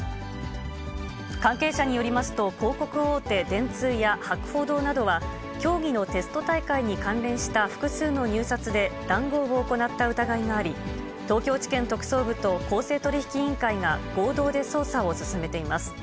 関係者によりますと、広告大手、電通や博報堂などは、競技のテスト大会に関連した複数の入札で談合を行った疑いがあり、東京地検特捜部と公正取引委員会が、合同で捜査を進めています。